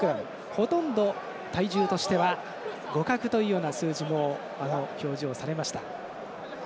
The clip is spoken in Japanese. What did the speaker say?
ほとんど体重としては互角というような数字も表示をされました。